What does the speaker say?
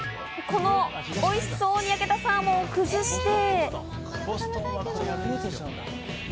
この、おいしそうに焼けたサーモンを崩して。